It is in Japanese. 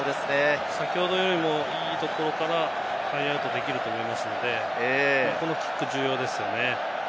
先ほどよりもいいところからラインアウトできると思いますので、このキック重要ですね。